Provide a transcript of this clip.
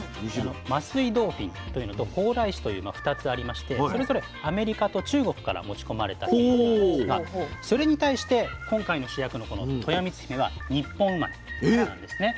桝井ドーフィンというのと蓬莱柿という２つありましてそれぞれアメリカと中国から持ち込まれたということなんですがそれに対して今回の主役のこのとよみつひめは日本生まれになるんですね。